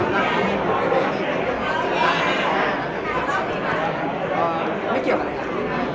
ไม่เกี่ยวอะไรครับ